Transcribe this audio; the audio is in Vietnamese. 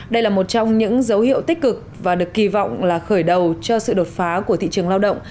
đây là một trong những dấu hiệu tích cực và được kỳ vọng là khởi đầu cho sự đột phá của thị trường lao động